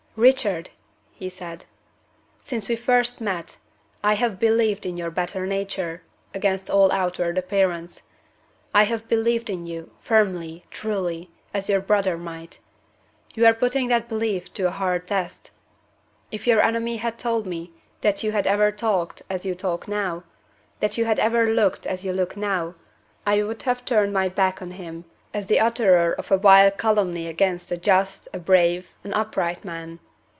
"Richard!" he said, "since we first met, I have believed in your better nature, against all outward appearance. I have believed in you, firmly, truly, as your brother might. You are putting that belief to a hard test. If your enemy had told me that you had ever talked as you talk now, that you had ever looked as you look now, I would have turned my back on him as the utterer of a vile calumny against a just, a brave, an upright man.